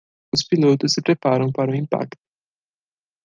Os pilotos se prepararam para o impacto.